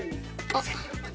あっ。